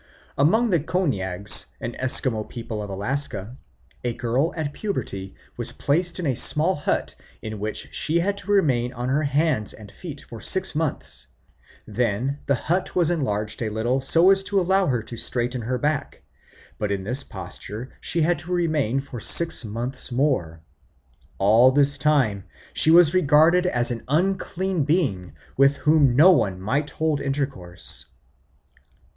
Among the Koniags, an Esquimau people of Alaska, a girl at puberty was placed in a small hut in which she had to remain on her hands and feet for six months; then the hut was enlarged a little so as to allow her to straighten her back, but in this posture she had to remain for six months more. All this time she was regarded as an unclean being with whom no one might hold intercourse.